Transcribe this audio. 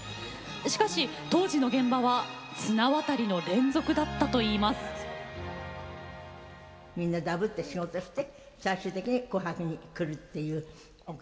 しかし、当時の現場は綱渡りの連続だったといいます。なんてそんなこと言えないでしょ。